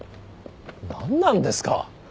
何なんですか。